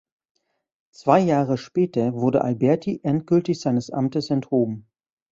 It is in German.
Zwei Jahre später wurde Alberti endgültig seines Amtes enthoben.